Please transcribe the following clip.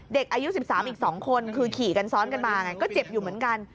เด็กอายุ๑๓อีก๒คนคือขี่กันซ้อนกันมาไงก็เจ็บอยู่เหมือนกัน